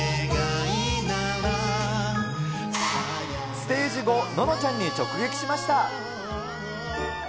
ステージ後、ののちゃんに直撃しました。